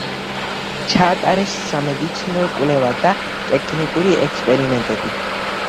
ჩაატარეს სამეცნიერო კვლევა და ტექნიკური ექსპერიმენტები.